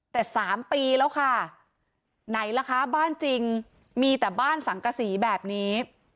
แต่๓ปีแล้วค่ะไหนล่ะคะบ้านจริงมีแต่บ้านสังกษีแบบนี้